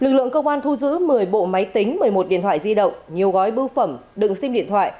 lực lượng công an thu giữ một mươi bộ máy tính một mươi một điện thoại di động nhiều gói bưu phẩm đựng sim điện thoại